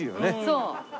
そう。